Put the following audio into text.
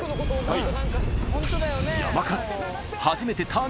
はい。